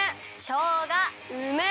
しょうが！